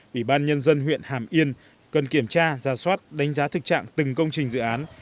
ủy ban nhân dân huyện hàm yên cần kiểm tra ra soát đánh giá thực trạng từng công trình dự án